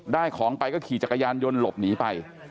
ได้ของไปก็ขี่จักรยานยนต์หลบหนีไป